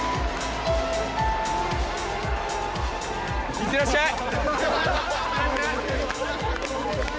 いってらっしゃい！